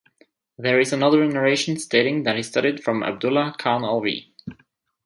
There is another narration stating that he studied from Abdullah Khan Alvi.